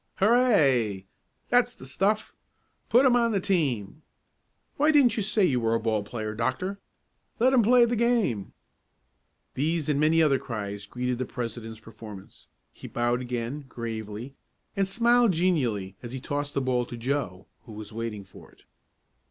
"Hurray!" "That's the stuff!" "Put him on the team!" "Why didn't you say you were a ball player, Doctor?" "Let him play the game!" These and many other cries greeted the president's performance. He bowed again, gravely, and smiled genially as he tossed the ball to Joe, who was waiting for it.